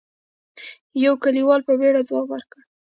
يوه کليوال په بيړه ځواب ورکړ: